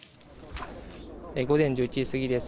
午前１１時過ぎです。